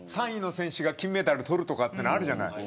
３位の選手が金メダルとるとかあるじゃない。